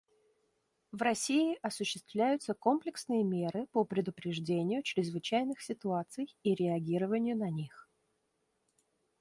В России осуществляются комплексные меры по предупреждению чрезвычайных ситуаций и реагированию на них.